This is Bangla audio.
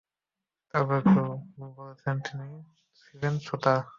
তারপর কেউ বলেছেন, তিনি ছিলেন ছুঁতার।